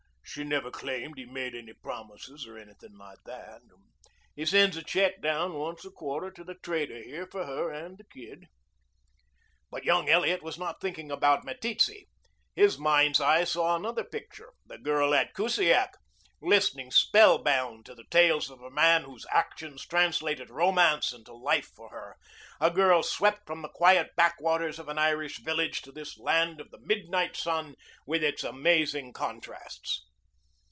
She never claimed he made any promises or anything like that. He sends a check down once a quarter to the trader here for her and the kid." But young Elliot was not thinking about Meteetse. His mind's eye saw another picture the girl at Kusiak, listening spellbound to the tales of a man whose actions translated romance into life for her, a girl swept from the quiet backwaters of an Irish village to this land of the midnight sun with its amazing contrasts.